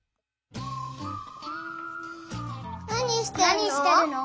なにしてるの？